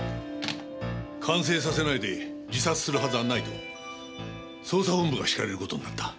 完成させないで自殺するはずはないと捜査本部が敷かれることになった。